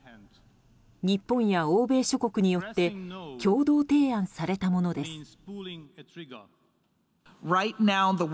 日本や欧米諸国によって共同提案されたものです。